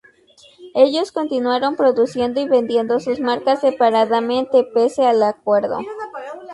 Ellos continuaron produciendo y vendiendo sus marcas separadamente, pese al acuerdo.